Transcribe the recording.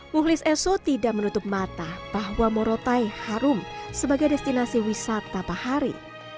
muhlis eso tidak menutup mata bahwa morotai harum sebagai destinasi wisata bahari